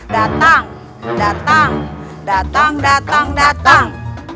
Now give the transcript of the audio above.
datang datang datang datang datang